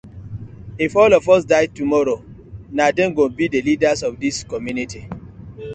If all of us die tomorrow, na dem go bi the leaders of dis community.